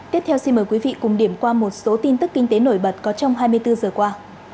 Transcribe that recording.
tiếp theo xin mời quý vị cùng điểm qua một số tin tức kinh tế nổi bật có trong hai mươi bốn giờ qua